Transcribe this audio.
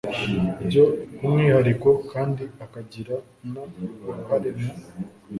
by umwihariko kandi akagira n uruhare mu